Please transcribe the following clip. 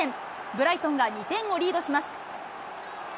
ブライトンが２点をリードします。